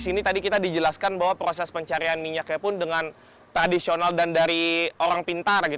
di sini tadi kita dijelaskan bahwa proses pencarian minyaknya pun dengan tradisional dan dari orang pintar